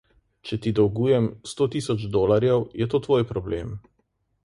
Če ti dolgujem sto tisoč dolarjev, je to tvoj problem.